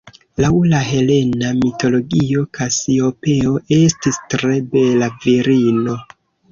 Laŭ la helena mitologio Kasiopeo estis tre bela virino.